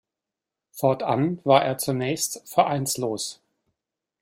Fortan war er zunächst vereinslos.